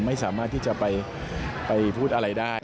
ไม่สามารถที่จะไปพูดอะไรได้